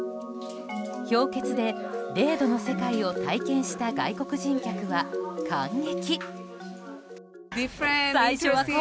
氷穴で０度の世界を体験した外国人客は、感激。